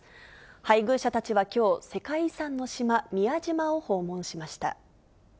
配偶者たちはきょう、世界遺産の島、宮島を訪問しました。